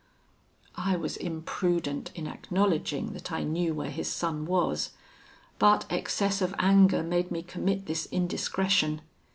"I was imprudent in acknowledging that I knew where his son was, but excess of anger made me commit this indiscretion.